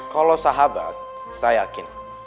kalau sahabat saya yakin